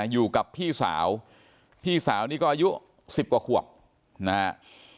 อยู่กับพี่สาวพี่สาวนี่ก็อายุ๑๐กว่าขวบนะฮะ